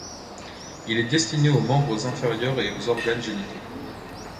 Il est destiné aux membres inférieurs et aux organes génitaux.